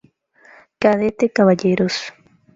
Cadetes Caballeros.